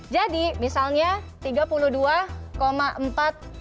jadi misalnya tiga puluh dua empat miliar rupiah